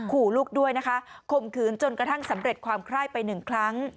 ขู่ลูกด้วยนะคะข่มขืนจนกระทั่งสำเร็จความไคร้ไปหนึ่งครั้ง